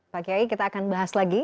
pak kiai kita akan bahas lagi